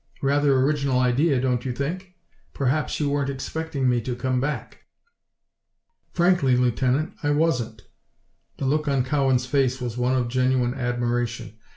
Rather original idea, don't you think? Perhaps you weren't expecting me to come back." "Frankly, Lieutenant, I wasn't." The look on Cowan's face was one of genuine admiration.